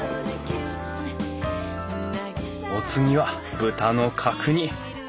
お次は豚の角煮。